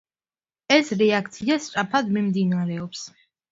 ეს რეაქცია სწრაფად მიმდინარეობს.